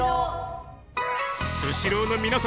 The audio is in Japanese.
スシローの皆様